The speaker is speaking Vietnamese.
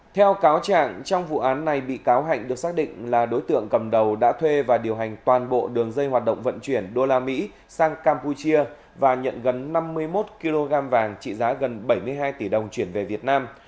theo cáo trạng trong vụ án này bị cáo hạnh được xác định là đối tượng cầm đầu đã thuê và điều hành toàn bộ đường dây hoạt động vận chuyển đô la mỹ sang campuchia và nhận gần năm mươi một kg vàng trị giá gần bảy mươi hai tỷ đồng chuyển về việt nam